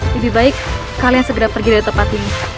lebih baik kalian segera pergi dari tempat ini